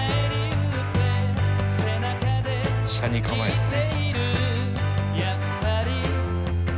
「斜に構えてね」